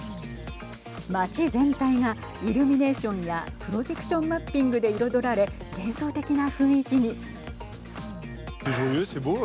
街全体がイルミネーションやプロジェクションマッピングで彩られ幻想的な雰囲気に。